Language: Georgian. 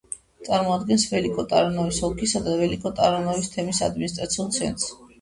წარმოადგენს ველიკო-ტარნოვოს ოლქისა და ველიკო-ტარნოვოს თემის ადმინისტრაციულ ცენტრს.